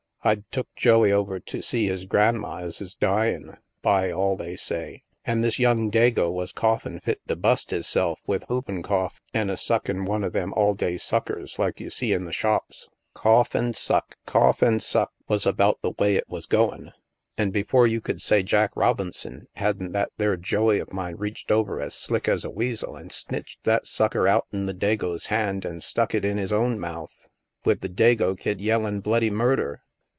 I'd took Joey over to see his gran'ma as is dyin', by all they say. An' this young Dago was coughin' fit to bust hisself with whoopin' cough, an' a suckin' one of them all day sudcers like you see in the shops. Cough an* suck, suck an' cough, was about the way it was goin'. An' before 6 THE MASK you could say Jack Robinson, hadn't that there Joey of mine reached over as slick as a weasel, and snitched that sucker out'en the Dago's hand, an' stuck it in 'is own mouth, with the Dago kid yellin' bloody murder